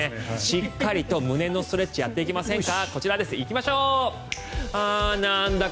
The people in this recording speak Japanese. しっかりと胸のストレッチやっていきませんか？